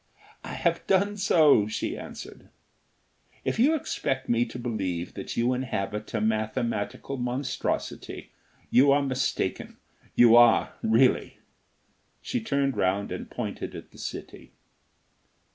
"I have done so," she answered. "If you expect me to believe that you inhabit a mathematical monstrosity, you are mistaken. You are, really." She turned round and pointed at the city.